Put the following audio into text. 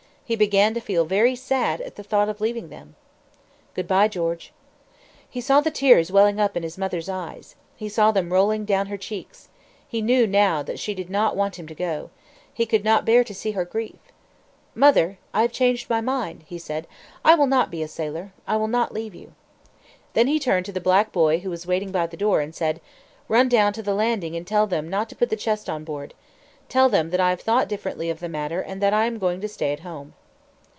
He began to feel very sad at the thought of leaving them. "Good bye, George!" He saw the tears welling up in his mother's eyes. He saw them rolling down her cheeks. He knew now that she did not want him to go. He could not bear to see her grief. "Mother, I have changed my mind," he said. "I will not be a sailor. I will not leave you." Then he turned to the black boy who was waiting by the door, and said, "Run down to the landing and tell them not to put the chest on board. Tell them that I have thought differently of the matter and that I am going to stay at home."